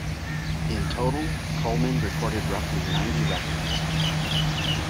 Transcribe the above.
In total, Coleman recorded roughly ninety records.